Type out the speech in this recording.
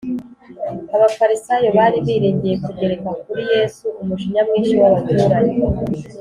abafarisayo bari biringiye kugereka kuri yesu umujinya mwinshi w’abaturage